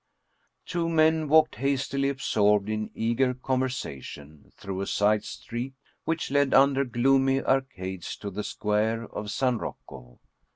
Two men walked hastily, absorbed in eager conversation, through a side street which led under gloomy arcades to the square of San Rocco.